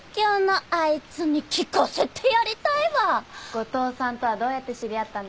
後藤さんとはどうやって知り合ったんですか？